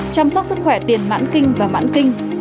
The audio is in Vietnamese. chăm sóc sức khỏe tiền mãn kinh và mãn kinh